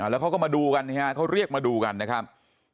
แล้วเขาก็มาดูกันเขาเรียกมาดูกันนะครับ